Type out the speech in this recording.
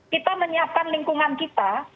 kita menyiapkan lingkungan kita